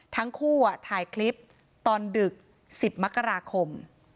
ทั้งคู่ถ่ายคลิปตอนดึก๑๐มกราคม